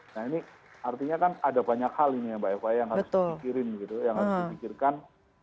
nah ini artinya kan ada banyak hal ini ya mbak eva yang harus dipikirkan